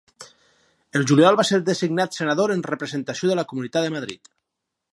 El juliol va ser designat senador en representació de la Comunitat de Madrid.